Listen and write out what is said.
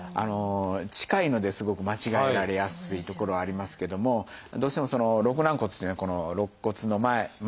近いのですごく間違えられやすいところはありますけどもどうしても肋軟骨っていうのは肋骨の前の所ですね